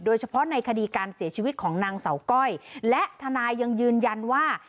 โดยเฉพาะในคดีการเสียชีวิตของนางเสาก้อยและทนายยังยืนยันว่า